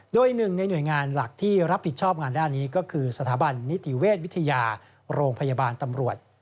โดยหนึ่งในหน่วยงานหลักที่รับผิดชอบงานด้านนี้ก็คือสถาบันนิติเวชวิทยาโรงพยาบาลตำรวจ